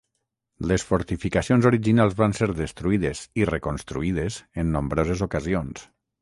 Les fortificacions originals van ser destruïdes i reconstruïdes en nombroses ocasions.